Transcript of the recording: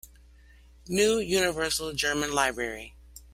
New Universal German Library.